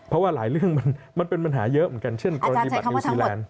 เพราะว่าหลายเรื่องมันเป็นปัญหาเยอะเหมือนกันเช่นกรณีบัตรนิวซีแลนด์